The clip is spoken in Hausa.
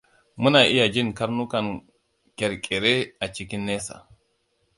Muna iya jin karnukan kyarkeke a cikin nesa.